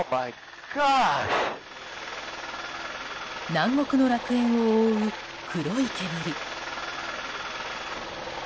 南国の楽園を覆う、黒い煙。